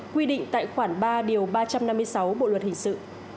quy định tại khoản ba điều ba trăm năm mươi sáu bộ luật hình sự